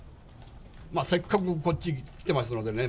せっかく、こっち来てますのでね。